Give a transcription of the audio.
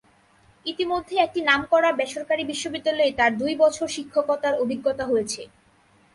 ইতিমধ্যে একটি নামকরা বেসরকারি বিশ্ববিদ্যালয়ে তার দুই বছর শিক্ষকতার অভিজ্ঞতা হয়েছে।